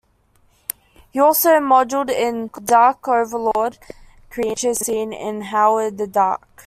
He also modeled the Dark Overlord creatures seen in "Howard the Duck".